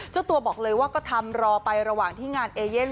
เจ้าตัวบอกเลยว่าก็ทำรอไประหว่างที่งานเอเย่น